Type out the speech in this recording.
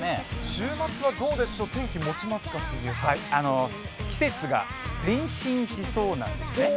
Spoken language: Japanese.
週末はどうでしょう、天気、季節が前進しそうなんですね。